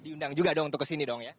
diundang juga dong untuk kesini dong ya